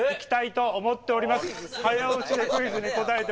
早押しでクイズに答えて。